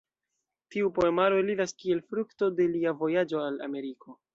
Tiu poemaro eliras kiel frukto de lia vojaĝo al Ameriko.